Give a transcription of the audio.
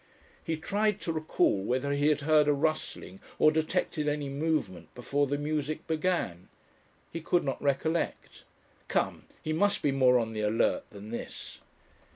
He tried to recall whether he had heard a rustling or detected any movement before the music began. He could not recollect. Come! he must be more on the alert than this!